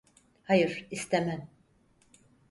Hayır, istemem.